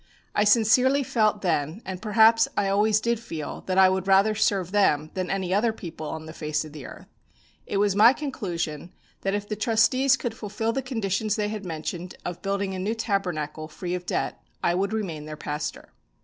I sincerely felt then, and perhaps I always did feel, that I would rather serve them than any other people on the face of the earth. It was my conclusion that if the trustees could fulfil the conditions they had mentioned, of building a new Tabernacle, free of debt, I would remain their pastor.